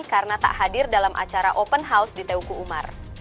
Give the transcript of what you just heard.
karena tak hadir dalam acara open house di teuku umar